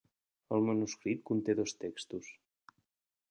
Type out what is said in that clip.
El manuscrit conté dos textos.